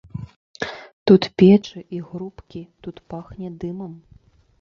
Тут печы і грубкі, тут пахне дымам.